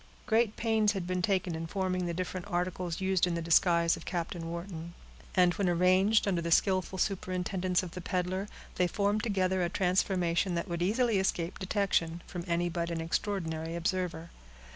Great pains had been taken in forming the different articles used in the disguise of Captain Wharton, and when arranged, under the skillful superintendence of the peddler, they formed together a transformation that would easily escape detection, from any but an extraordinary observer.